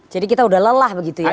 jadi kita sudah lelah begitu ya